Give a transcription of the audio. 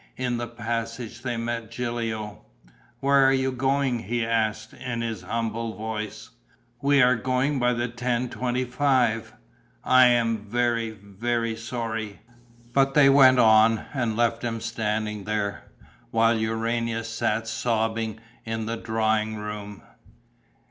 In the passage they met Gilio. "Where are you going?" he asked, in his humble voice. "We are going by the ten twenty five." "I am very, very sorry...." But they went on and left him standing there, while Urania sat sobbing in the drawing room.